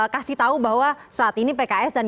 kasih tahu bahwa saat ini pks dan